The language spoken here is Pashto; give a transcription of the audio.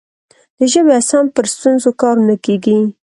د ژبې او سمت پر ستونزو کار نه کیږي.